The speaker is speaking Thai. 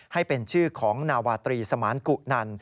ให้เป็นชื่อของนาวาตรีสมานกุนัน